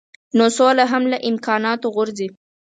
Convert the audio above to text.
نو سوله هم له امکاناتو غورځي.